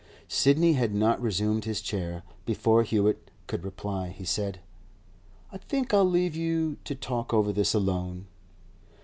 Sidney had not resumed his chair. Before Hewett could reply he said: 'I think I'll leave you to talk over this alone.